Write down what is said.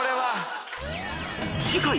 ［次回］